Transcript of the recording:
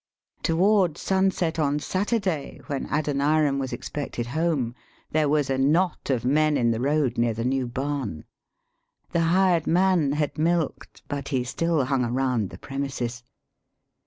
] Toward sunset on Saturday, when Adoniram was expected home, there was a knot of men in the road near the new barn. The hired man had milked, but he still hung around the prem ises.